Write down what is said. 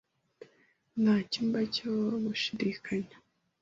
Ntacyumba cyo gushidikanya.